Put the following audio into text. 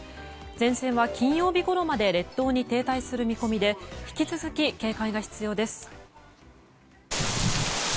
前線は金曜日ごろまで列島に停滞する見込みで引き続き、警戒が必要です。